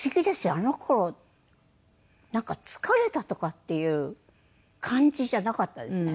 あの頃なんか疲れたとかっていう感じじゃなかったですね。